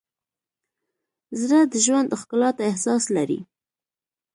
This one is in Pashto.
زړه د ژوند ښکلا ته احساس لري.